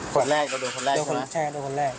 คนแรกก็โดนคนแรกโดนคนแรกใช่โดนคนแรก